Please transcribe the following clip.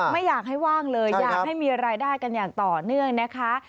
ไม่อยากให้ว่างเลยอยากให้มีรายได้กันอย่างต่อเนื่องนะคะ